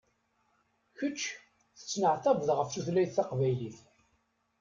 Kečč tettneɛtabeḍ ɣef tutlayt taqbaylit.